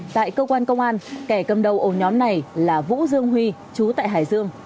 tại cơ quan công an kẻ cầm đầu ổ nhóm này là vũ dương huy chú tại hải dương